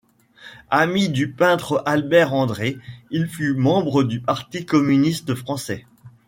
Ami du peintre Albert André, il fut membre du Parti communiste français.